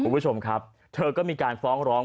คุณผู้ชมครับเธอก็มีการฟ้องร้อง